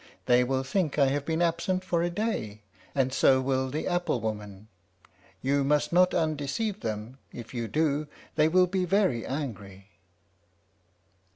They will think I have been absent for a day, and so will the apple woman. You must not undeceive them; if you do, they will be very angry."